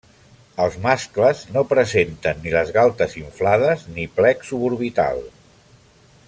Els mascles no presenten ni les galtes inflades ni plec suborbital.